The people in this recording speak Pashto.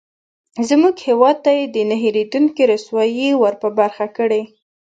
زموږ هېواد ته یې نه هېرېدونکې رسوایي ورپه برخه کړې.